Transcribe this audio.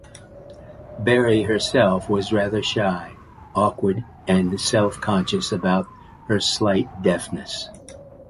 Barry herself was rather shy, awkward and self-conscious about her slight deafness.